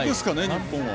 日本は。